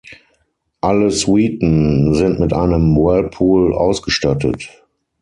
Alle Suiten sind mit einem Whirlpool ausgestattet.